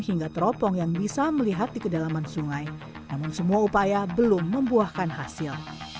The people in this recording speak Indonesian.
hingga teropong yang bisa melihat di kedalaman sungai namun semua upaya belum membuahkan hasil